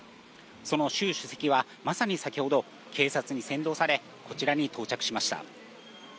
その習主席は、まさに先ほど、警察に先導され、こちらに到着しました。